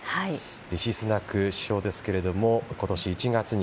リシ・スナク首相ですが今年１月に